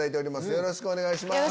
よろしくお願いします。